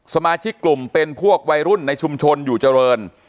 สมาชิกกลุ่มเป็นพวกวัยรุ่นในชุมชนอยู่เจริญ